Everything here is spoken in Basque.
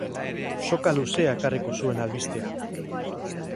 Soka luzea ekarriko zuen albisteak.